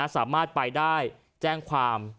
สามารถไปได้แจ้งความ